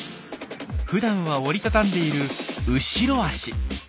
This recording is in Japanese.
ふだんは折り畳んでいる後ろ足。